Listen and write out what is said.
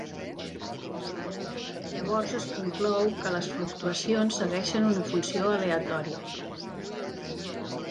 Llavors es conclou que les fluctuacions segueixen una funció aleatòria.